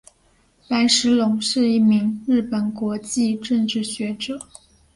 白石隆是一名日本国际政治学者。